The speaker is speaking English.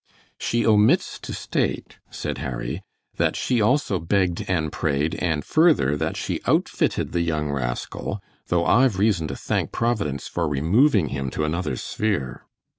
"She omits to state," said Harry, "that she also 'begged and prayed' and further that she outfitted the young rascal, though I've reason to thank Providence for removing him to another sphere."